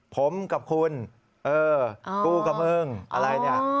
ผมกับคุณกูกับมึงอะไรแบบนี้